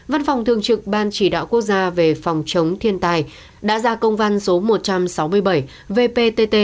văn phòng thường trực ban chỉ đạo quốc gia về phòng chống thiên tai đã ra công văn số một trăm sáu mươi bảy vpt